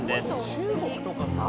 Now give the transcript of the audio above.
中国とかさ。